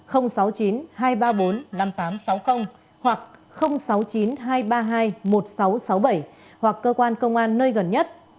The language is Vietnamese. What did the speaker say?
hoặc sáu mươi chín hai trăm ba mươi hai một nghìn sáu trăm sáu mươi bảy hoặc cơ quan công an nơi gần nhất